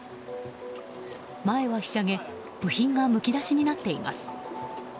前はひしゃげ部品がむき出しになっています。